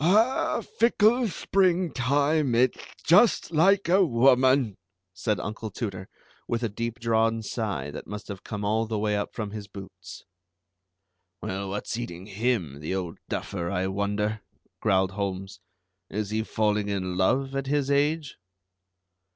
"Ah, fickle Springtime, it's just like a woman!" said Uncle Tooter, with a deep drawn sigh that must have come all the way up from his boots. "Well, what's eating him, the old duffer, I wonder?" growled Holmes. "Is he falling in love, at his age?"